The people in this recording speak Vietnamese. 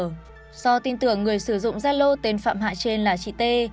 do tin tưởng người sử dụng gia lô tên phạm hạ trên là chị t